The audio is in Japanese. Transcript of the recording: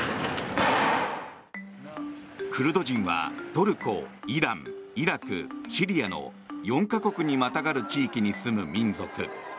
クルド人はトルコ、イランイラク、シリアの４か国にまたがる地域に住む民族。